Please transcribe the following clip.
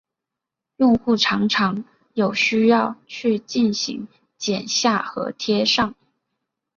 用户常常有需要去进行剪下和贴上。